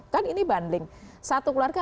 kan ini banding satu keluarga